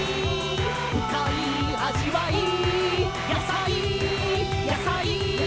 「ふかいあじわい」「」「やさい」「」「やさい」「」